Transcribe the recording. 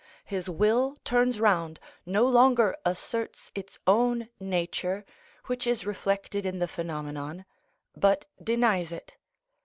His will turns round, no longer asserts its own nature, which is reflected in the phenomenon, but denies it.